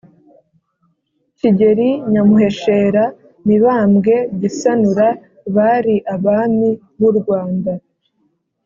Kigeri Nyamuheshera, Mibambwe Gisanura Bari abami b’u Rwanda